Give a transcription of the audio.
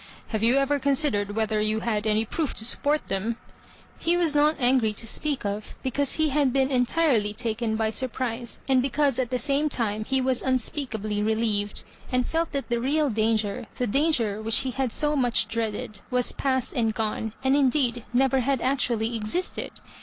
"Have you ever con sidered whether you had any proof to support them ?" He was not angry to speak of, because he had been entirely taken by surprise, and because at the same time he was unspeakably relieved, and felt that the real danger, the dan ger which he had so much dreaded, was past and gone, and indeed never had actually existed.